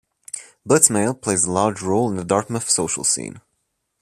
BlitzMail plays a large role in the Dartmouth social scene.